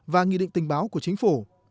và nghị định tình báo của chính phủ